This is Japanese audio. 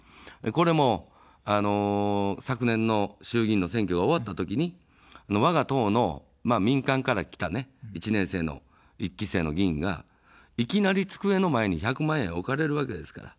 これも、昨年の衆議院の選挙が終わったときに、わが党の民間から来た１年生の１期生の議員がいきなり机の前に１００万円置かれるわけですから。